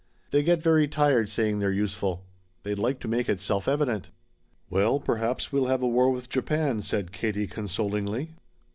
They get very tired saying they're useful. They'd like to make it self evident." "Well, perhaps we'll have a war with Japan," said Katie consolingly.